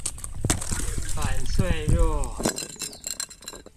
反脆弱